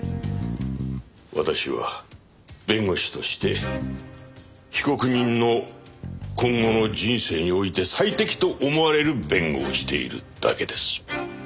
私は弁護士として被告人の今後の人生において最適と思われる弁護をしているだけです。